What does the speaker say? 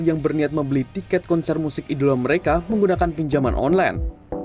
yang berniat membeli tiket konser musik idola mereka menggunakan pinjaman online